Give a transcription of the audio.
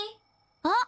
あっ！